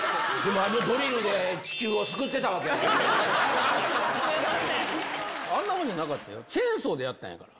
あのドリルで、地球を救ってたわけやからね。